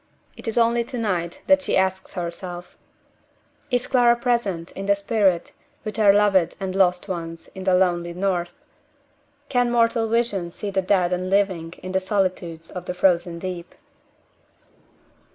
It is only to night that she asks herself: "Is Clara present, in the spirit, with our loved and lost ones in the lonely North? Can mortal vision see the dead and living in the solitudes of the Frozen Deep?"